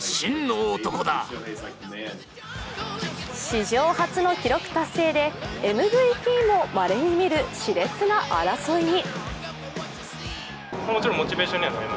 史上初の記録達成でＭＶＰもまれにみるしれつな争いに。